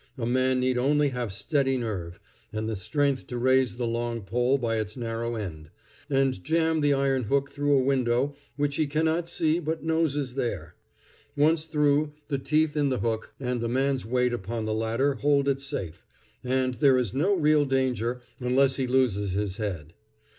A man need only have steady nerve, and the strength to raise the long pole by its narrow end, and jam the iron hook through a window which he cannot see but knows is there. Once through, the teeth in the hook and the man's weight upon the ladder hold it safe, and there is no real danger unless he loses his head.